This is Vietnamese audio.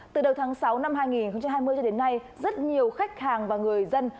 từ đầu tháng sáu năm hai nghìn hai mươi cho đến nay rất nhiều khách hàng và người dân